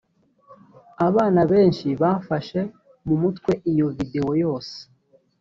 abana benshi bafashe mu mutwe iyo videwo yose